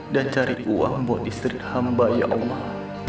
dan cari uang buat istri hamba ya allah